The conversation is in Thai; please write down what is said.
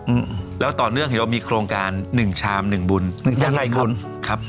อืมแล้วต่อเนื่องเห็นเรามีโครงการหนึ่งชามหนึ่งบุญยังไงคุณครับ